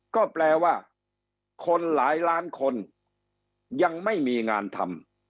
ก็แปลว่าคนหลายล้านคนยังไม่มีงานทำ